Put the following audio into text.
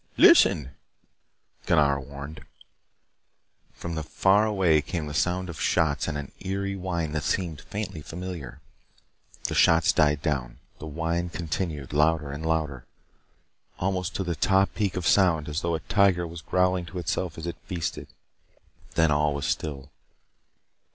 "Listen," Gunnar warned. From far away came the sound of shots and an eerie whine that seemed faintly familiar. The shots died down. The whine continued, louder and louder, almost to the top peak of sound, as though a tiger was growling to itself as it feasted. Then all was still.